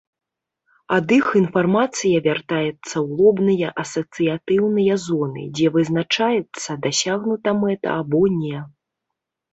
Ад іх інфармацыя вяртаецца ў лобныя асацыятыўныя зоны, дзе вызначаецца, дасягнута мэта або не.